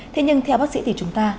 thế nhưng theo bác sĩ thì chúng ta